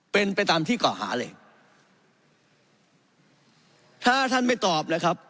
เป็นไปตามที่เก่าหาเลยถ้าท่านไม่ตอบเลยครับ